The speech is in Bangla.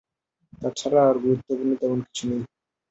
তাছাড়া, আর গুরুত্বপূর্ণ তেমন কিছু নেই।